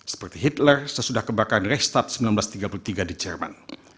seperti hitler sesudah kebakaran restad seribu sembilan ratus tiga puluh tiga di jerman